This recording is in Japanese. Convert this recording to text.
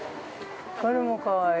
◆これもかわいい。